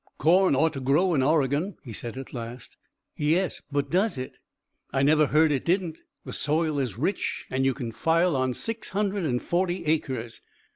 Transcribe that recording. "Corn ought to grow in Oregon," he said at last. "Yes, but does it?" "I never heard it didn't. The soil is rich, and you can file on six hundred and forty acres.